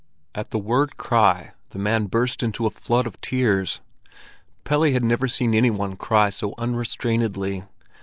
At the word "cry," the man burst into a flood of tears. Pelle had never seen any one cry so unrestrainedly.